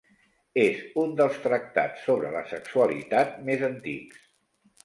És un dels tractats sobre la sexualitat més antics.